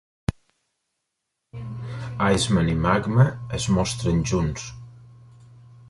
Iceman i Magma es mostren junts.